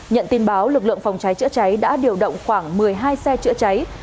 nhận tin báo lực lượng phòng cháy chữa cháy đã điều động khoảng một mươi hai xe chữa cháy